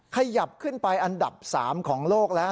ขยับขึ้นไปอันดับ๓ของโลกแล้ว